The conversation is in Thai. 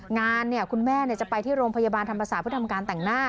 งานคุณแม่จะไปที่โรงพยาบาลธรรมศาสตร์เพื่อทำการแต่งหน้า